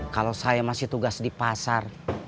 kalau saya masih tugas di pasar